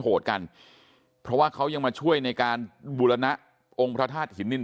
โหดกันเพราะว่าเขายังมาช่วยในการบูรณะองค์พระธาตุหินดิน